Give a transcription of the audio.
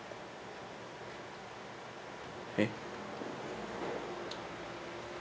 えっ。